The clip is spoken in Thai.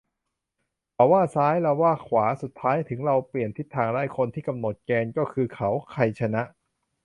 เขาว่าซ้าย เราว่าขวา สุดท้ายถึงเราเปลี่ยนทิศทางได้ คนที่กำหนดแกนก็คือเขา ใครชนะ ?